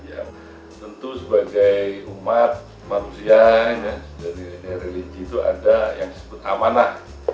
ya tentu sebagai umat manusia dari religi itu ada yang disebut amanah